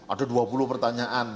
ada dua puluh pertanyaan